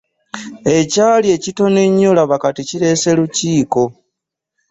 Ekyali ekitono ennyo laba kati kireese lukiiko.